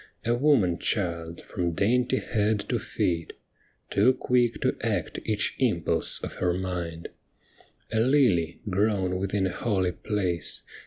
A woman child from dainty head to feet, Too quick to act each impulse of her mind. A lily grown within a holy place.